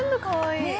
かわいい。